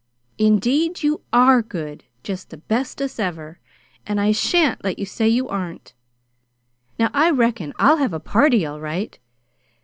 "Indeed you ARE good just the bestest ever; and I sha'n't let you say you aren't. Now I reckon I'll have a party all right!